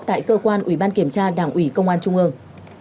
tại cơ quan ủy ban kiểm tra đảng ủy công an trung ương